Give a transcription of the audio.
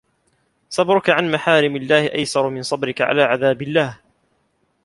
صبرك عن محارم الله أيسر من صبرك على عذاب الله